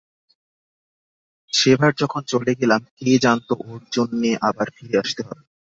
সেবার যখন চলে গেলাম, কে জানত ওর জন্যে আবার ফিরে আসতে হবে!